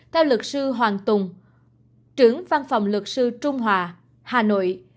theo lực sư hoàng tùng trưởng văn phòng lực sư trung hòa hà nội